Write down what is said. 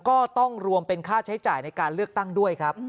ก็ต้องรวมเป็นค่าใช้จ่ายในการเลือกตั้งด้วยครับ